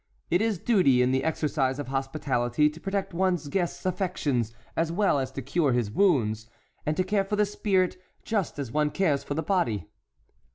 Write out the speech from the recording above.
It is duty in the exercise of hospitality to protect one's guest's affections as well as to cure his wounds, and to care for the spirit just as one cares for the body."